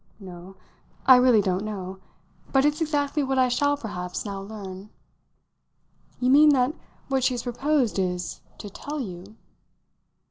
"No, I really don't know. But it's exactly what I shall perhaps now learn." "You mean that what she has proposed is to tell you?"